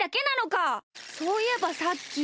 そういえばさっき。